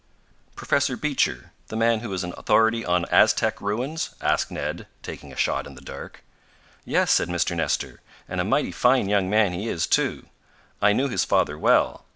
"Professor Beecher, the man who is an authority on Aztec ruins?" asked Ned, taking a shot in the dark. "Yes," said Mr. Nestor. "And a mighty fine young man he is, too. I knew his father well.